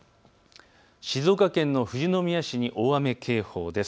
静岡県の富士宮市に大雨警報です。